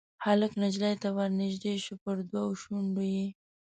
هلک نجلۍ ته ورنیژدې شو پر دوو شونډو یې